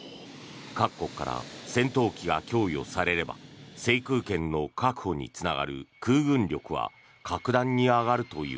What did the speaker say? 各国から戦闘機が供与されれば制空権の確保につながる空軍力は格段に上がるという。